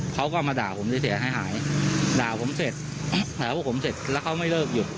เขาก็มาด่าผมเสียหายด่าผมเสร็จด่าพวกผมเสร็จแล้วเขาไม่เลิกหยุด